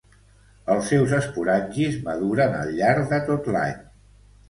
Els seus esporangis maduren al llarg de tot l'any.